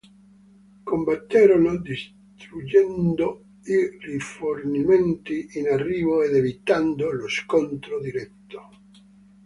Combatterono distruggendo i rifornimenti in arrivo ed evitando lo scontro diretto.